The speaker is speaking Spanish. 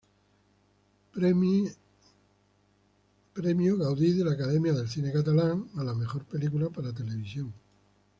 Premi Gaudí de la Academia del Cine Catalán a la Mejor Película para Televisión.